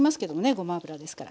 ごま油ですから。